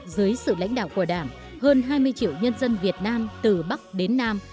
dưới sự lãnh đạo của đảng hơn hai mươi triệu nhân dân việt nam từ bắc đến nam